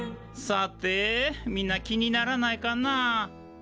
さてみんな気にならないかな？